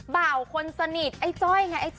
บ่าวคนสนิทไอ้จ้อยไง